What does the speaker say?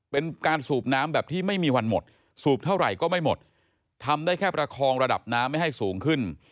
เป็นการสูบน้ำแบบที่ไม่มีวันหมดสูบเท่าไหร่ก็ไม่หมดทำได้แค่ประคองระดับน้ำไม่ให้สูงขึ้น